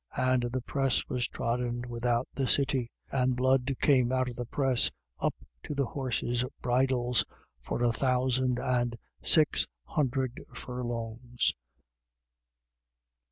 And the press was trodden without the city, and blood came out of the press, up to the horses' bridles, for a thousand and six hundred furlongs.